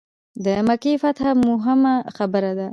د مکې فتح موهمه خبره ده.